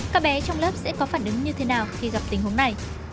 các bé trong lớp sẽ có phản ứng như thế nào khi gặp tình huống này